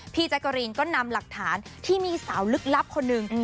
แจ๊กกะรีนก็นำหลักฐานที่มีสาวลึกลับคนหนึ่ง